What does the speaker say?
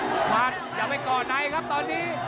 มัดอย่าไปก่อในครับตอนนี้